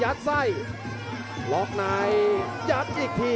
โอ้โหไม่พลาดกับธนาคมโด้แดงเขาสร้างแบบนี้